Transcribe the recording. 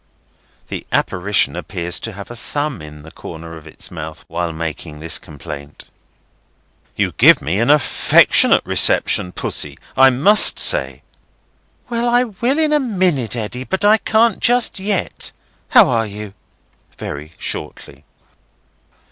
The apparition appears to have a thumb in the corner of its mouth while making this complaint. "You give me an affectionate reception, Pussy, I must say." "Well, I will in a minute, Eddy, but I can't just yet. How are you?" (very shortly.)